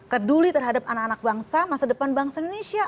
peduli terhadap anak anak bangsa masa depan bangsa indonesia